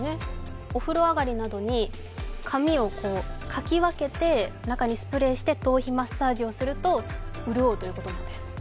お風呂上がりなどに、髪をかき分けて、中にスプレーして頭皮マッサージをすると潤うということなんです。